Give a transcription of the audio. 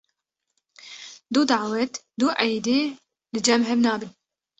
Du dawet du eydê li cem hev nabin.